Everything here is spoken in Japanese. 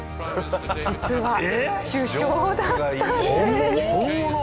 実は首相だったんです。